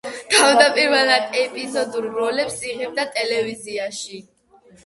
თავდაპირველად ეპიზოდურ როლებს იღებდა ტელევიზიაში.